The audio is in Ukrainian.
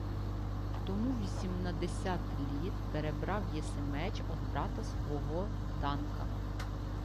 — Тому вісімнадесять літ перебрав єси меч од брата свого Данка.